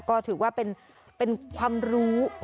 ก็ถือว่าเป็นความรู้